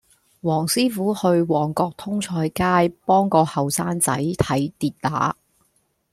黃師傅去旺角通菜街幫個後生仔睇跌打